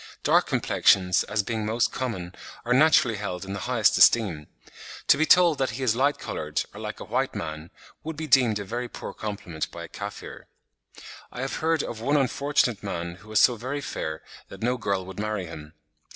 Dark complexions, as being most common, are naturally held in the highest esteem. To be told that he is light coloured, or like a white man, would be deemed a very poor compliment by a Kaffir. I have heard of one unfortunate man who was so very fair that no girl would marry him."